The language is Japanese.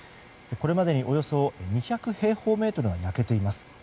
これまでにおよそ２００平方メートルが焼けています。